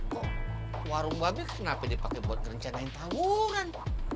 kok warung babi kenapa dipakai buat ngerencanain tawuran